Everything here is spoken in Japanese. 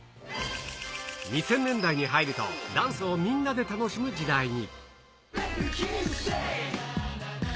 ２０００年代に入ると、ダンスをみんなで楽しむ時代に。